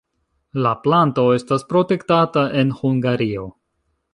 La planto estas protektata en Hungario.